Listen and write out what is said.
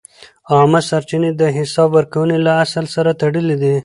عامه سرچینې د حساب ورکونې له اصل سره تړلې دي.